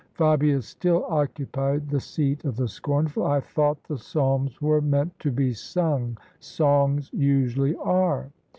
" Fabia still occupied the seat of the scornful. " I thought the Psalms were meant to be sung: songs usually are."